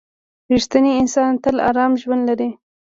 • رښتینی انسان تل ارام ژوند لري.